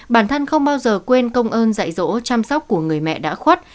bản thân không bao giờ quên công ơn dạy dỗ chăm sóc của người mẹ đã khuất